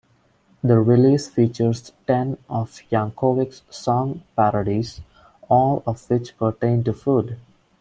The release features ten of Yankovic's song parodies, all of which pertain to food.